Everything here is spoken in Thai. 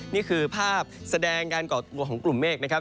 นี่คือภาพแสดงการก่อตัวของกลุ่มเมฆนะครับ